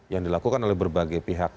yang dilakukan oleh berbagai pihak